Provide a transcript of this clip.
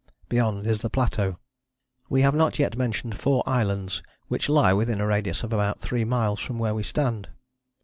Beyond is the plateau. We have not yet mentioned four islands which lie within a radius of about three miles from where we stand.